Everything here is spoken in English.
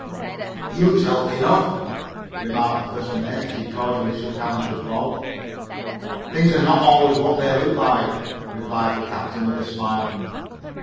"He looks healthy enough," remarked the first mate as he cordially shook hands with Bob. "Things are not always what they look like," replied the captain with a smile.